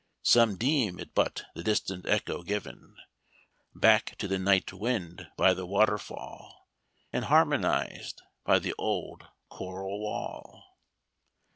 Some deem it but the distant echo given Back to the night wind by the waterfall, And harmonized by the old choral wall.